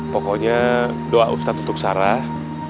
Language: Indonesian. pokoknya doa ustadz untuk sarah